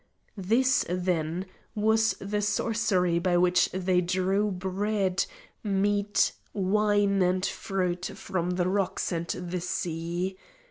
This, then, was the sorcery by which they drew bread, meat, wine and fruit from the rocks and the sea.